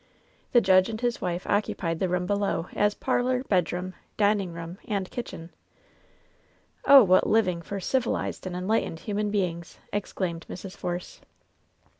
The judge and his wife occupied the room below as parlor, bed room, dining room and kitchen ^^ "Oh, what living for civilized and enlightened human * beings!" exclaimed Mrs. Force.